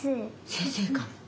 先生かも。